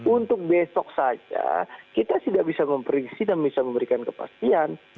untuk besok saja kita tidak bisa memprediksi dan bisa memberikan kepastian